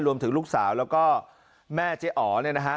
รวมถึงลูกสาวแล้วก็แม่เจ๋อ๋อนะฮะ